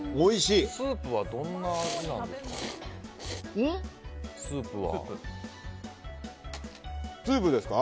スープはどんな味なんですか。